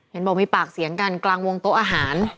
เห็นบอกมีปากเสียงกันกลางวงโต๊ะอาหาร